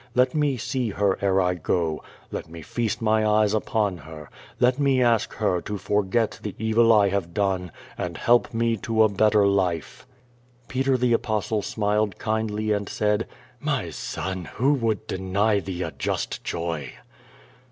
Let me see her ere I go. Let me feast my eyes upon her. Ijct me ask her to forget the evil I have done, and help me to a better life." Peter the Apostle smiled kindly and said: My son, who would deny thee a just joy?"